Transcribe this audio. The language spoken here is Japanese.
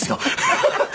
ハハハハ。